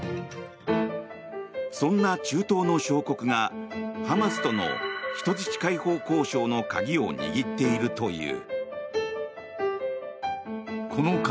そんな中東の小国がハマスとの人質解放交渉の鍵を握っているという。